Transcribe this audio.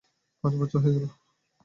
পাঁচ বছর হয়ে গেল।